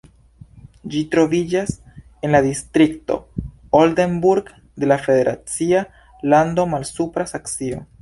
Ĝi troviĝas en la distrikto Oldenburg de la federacia lando Malsupra Saksio.